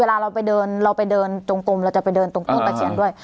เวลาเราไปเดินเราไปเดินตรงกลมเราจะไปเดินตรงต้นตะเคียนด้วย